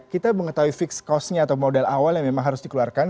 kita mengetahui fixed cost nya atau modal awal yang memang harus dikeluarkan